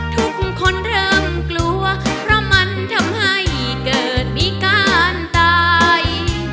ทุกคนเริ่มกลัวเพราะมันทำให้เกิดพิการตาย